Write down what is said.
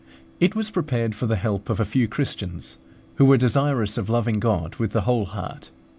It was prepared for the help of a few Christians who were desirous of loving God with the whole heart.